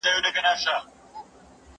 زه به سبا موسيقي اورم وم!.